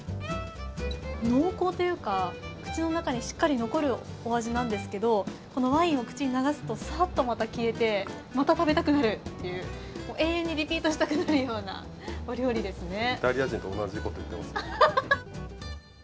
濃厚というか、口の中にしっかり残るお味なんですけどワインを口に流すと、さーっとまた消えて、また食べたくなるっていう、永遠にリピートしたくなるようなお料理ですね。